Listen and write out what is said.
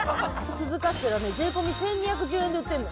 鈴カステラね税込み１２１０円で売ってるの。